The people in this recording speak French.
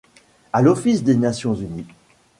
À l'Office des Nations unies.